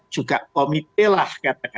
juga komite lah